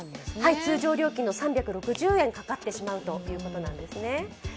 通常料金の３６０円かかってしまうということなんですね。